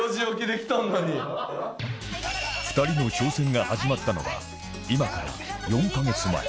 ２人の挑戦が始まったのは今から４カ月前